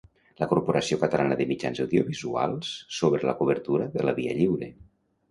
La Corporació Catalana de Mitjans Audiovisuals sobre la cobertura de la Via Lliure.